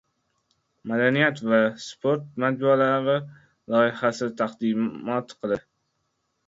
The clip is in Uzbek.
Madaniyat va sport majmualari loyihasi taqdimot qilindi